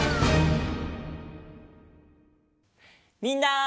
みんな。